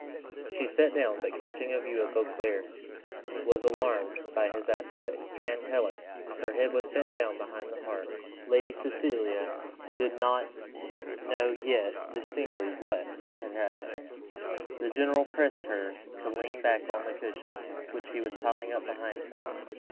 She sat down, but catching a view of Beauclerc was alarmed by his aspect and Helen! her head was bent down behind the harp. Lady Cecilia did not know yet distinctly what had happened. The general pressed her to lean back on the cushions which he was piling up behind her.